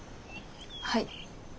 はい。